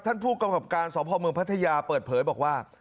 ท่านผู้กำกับการสพเมืองพัทยาเปิดเผยบอกว่า